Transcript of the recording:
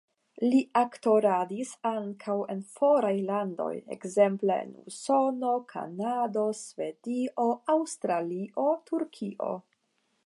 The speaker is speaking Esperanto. Li aktoradis ankaŭ en foraj landoj, ekzemple en Usono, Kanado, Svedio, Aŭstralio, Turkio.